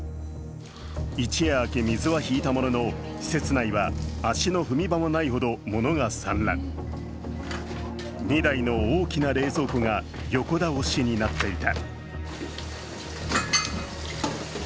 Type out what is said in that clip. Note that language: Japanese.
一夜明け水は引いたものの施設内は足の踏み場もないほどものが散乱、２台の大きな冷蔵庫が横倒しになっていた。